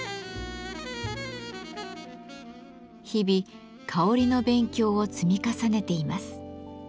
日々香りの勉強を積み重ねています。